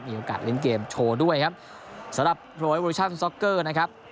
มีโอกาสเลินเกมโชว์ด้วยครับสำหรับโไฟลวิทยาลัยโซคเกอร์นะครับ